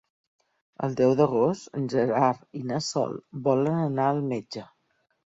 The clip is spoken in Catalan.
El deu d'agost en Gerard i na Sol volen anar al metge.